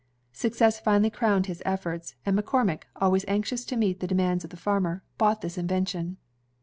Success finally crowned his efforts, and McCormick, always anxious to meet the demands of the farmer, bought this invention.